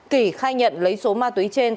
kỳ khai nhận lấy số ma túy trên